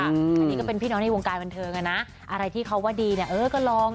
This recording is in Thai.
อันนี้ก็เป็นพี่น้องในวงการบันเทิงอ่ะนะอะไรที่เขาว่าดีเนี่ยเออก็ลอง